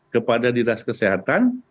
kepada didas kesehatan